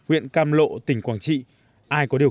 với hơn hai năm trăm linh nhân khẩu